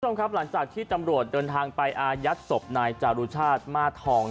คุณผู้ชมครับหลังจากที่ตำรวจเดินทางไปอายัดศพนายจารุชาติมาทอง